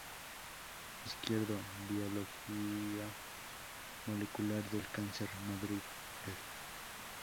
Izquierdo M.; Biología Molecular del cáncer; Madrid, Ed.